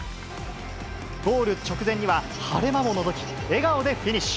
ゴール直前には晴れ間ものぞき、笑顔でフィニッシュ。